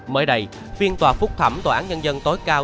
mới đây phiên tòa phúc thẩm tòa án nhân dân tối cao